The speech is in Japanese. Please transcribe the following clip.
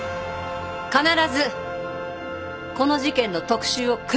必ずこの事件の特集を組みます！